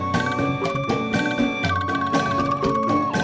masih ada yang mau berbicara